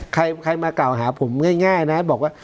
ใครมากล่าวหาผมง่ายนะบอกว่า